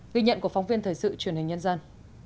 ghi nhận của phóng viên thời sự truyền hình nhân dân